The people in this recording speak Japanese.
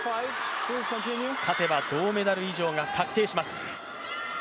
勝てば銅メダル以上が確定します。